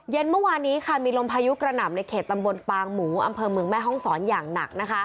เมื่อวานนี้ค่ะมีลมพายุกระหน่ำในเขตตำบลปางหมูอำเภอเมืองแม่ห้องศรอย่างหนัก